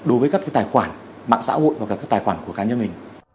đối với các cái tài khoản mạng xã hội hoặc là các tài khoản của cá nhân mình